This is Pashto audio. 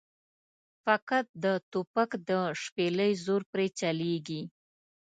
فقط د توپک د شپېلۍ زور پرې چلېږي.